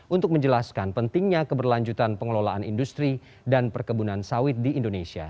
untuk menjelaskan pentingnya keberlanjutan pengelolaan industri dan perkebunan sawit di indonesia